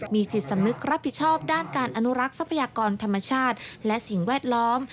มีจิตสำนึกรับผิดชอบด้านการอนุรักษ์ทรัพยากรธรรมชาติและสิ่งแวดล้อม